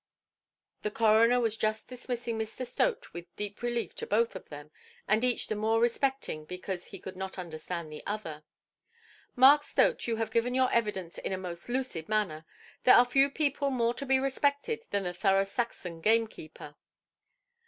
The coroner was just dismissing Mr. Stote with deep relief to both of them, and each the more respecting because he could not understand the other. "Mark Stote, you have given your evidence in a most lucid manner. There are few people more to be respected than the thorough Saxon gamekeeper".